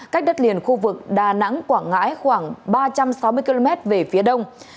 cách đất liền khu vực đà nẵng quảng ngãi khoảng ba trăm sáu mươi km về phía đông